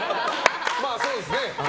まあそうですね。